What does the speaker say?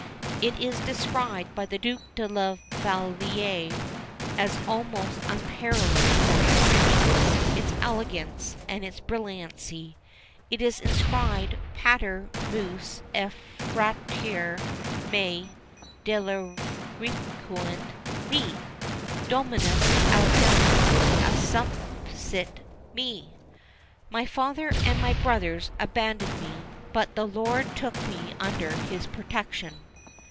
It is described by the Duke de la Vallière as almost unparalleled for its richness, its elegance, and its brilliancy. It is inscribed Pater meus et fratres mei dereliquerunt me; Dominus autem assumpsit me! "My father and my brothers abandoned me; but the Lord took me under his protection."